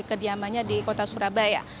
kediamannya di kota surabaya